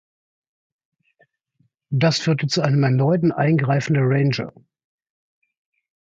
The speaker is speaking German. Das führte zu einem erneuten Eingreifen der "Ranger".